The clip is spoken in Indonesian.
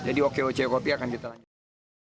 jadi okoc kopi akan kita lanjutkan